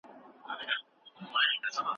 موټر چلونکی د سوارلۍ په تمه د خپل تلیفون تڼۍ وهي.